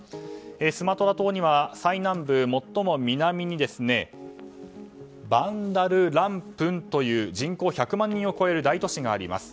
スマトラ島には最南部、最も南にバンダルランプンという人口１００万人を超える大都市があります。